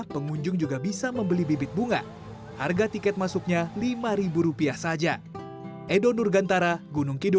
pengunjung wajib memakai masker mengecek suhu tubuh dan mencuci tangan